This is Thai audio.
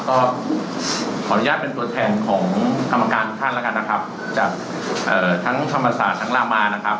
ก็ขออนุญาตเป็นตัวแทนของกรรมการทุกท่านแล้วกันนะครับจากทั้งธรรมศาสตร์ทั้งลามานะครับ